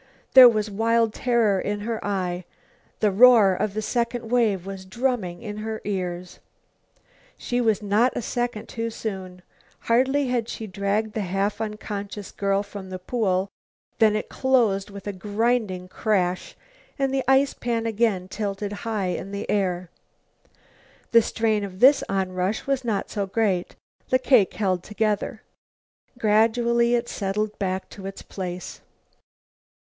There was wild terror in her eye. The roar of the second wave was drumming in her ears. She was not a second too soon. Hardly had she dragged the half unconscious girl from the pool than it closed with a grinding crash, and the ice pan again tilted high in air. The strain of this onrush was not so great. The cake held together. Gradually it settled back to its place.